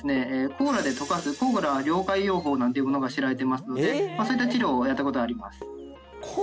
コーラで溶かすコーラ溶解療法なんていうものが知られていますのでそういった治療をやったことがあります